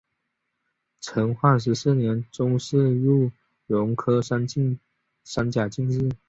成化十四年中式戊戌科三甲进士。